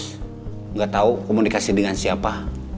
tidak tahu komunikasi dengan siapa